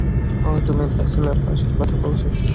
ওহ, তুমি ব্যাচেলর বাসার কথা বলছো?